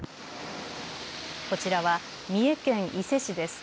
こちらは三重県伊勢市です。